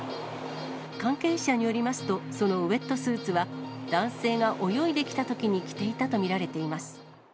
関係者によりますと、そのウエットスーツは、男性が泳いできたときに着ていたと見られています。